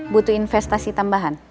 butuh investasi tambahan